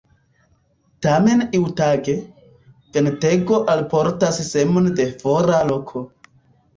Tamen iutage, ventego alportas semon de fora loko.